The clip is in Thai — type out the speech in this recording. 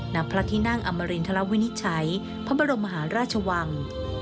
ณพระที่นั่งอมรินทรวินิจฉัยพระบรมมหาราชวัง